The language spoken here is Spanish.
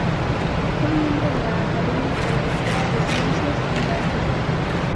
Fue miembro de la Academia Europea de Ciencias y Artes.